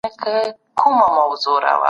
د سياست موخه پر نورو نفوذ کول دي.